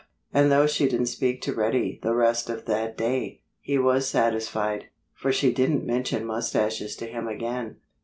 And though she didn't speak to Reddy the rest of that day, he was satisfied. For she didn't mention mustaches to him again.